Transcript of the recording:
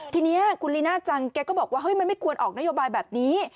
ทีนี้คุณลีน่าจังแกก็บอกว่าเฮ้ยมันไม่ควรออกนโยบายแบบนี้